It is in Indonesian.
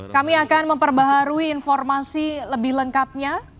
kami akan memperbaharui informasi lebih lengkapnya